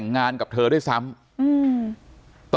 ขอบคุณมากครับขอบคุณมากครับ